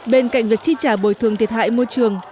bên cạnh việc chi trả bồi thường thiệt hại môi trường